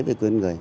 về quyền con người